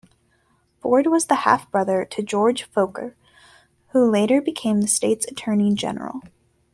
Ford was the half-brother to George Forquer, who later became the state's attorney general.